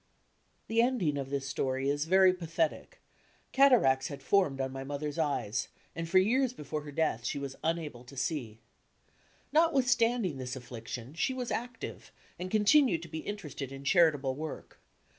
[The ending of this story is very pathetic. Cataracts had formed on my mother's eyes and for years before her death she was unable to see. Notwith standing this affliction, she was active, and continued to be interested in charitable work.